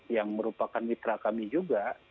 yang merupakan mitra kami juga